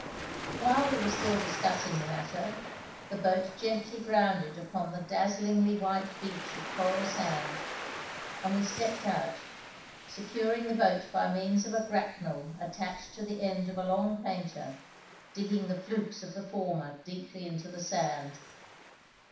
While we were still discussing the matter the boat gently grounded upon the dazzlingly white beach of coral sand, and we stepped out, securing the boat by means of a grapnel attached to the end of a long painter, digging the flukes of the former deeply into the sand.